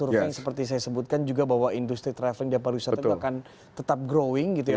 dari beberapa survei seperti saya sebutkan juga bahwa industri travel di para wisata itu akan tetap growing gitu ya